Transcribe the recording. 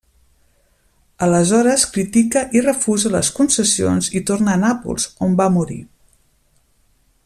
Aleshores critica i refusa les concessions i torna a Nàpols, on va morir.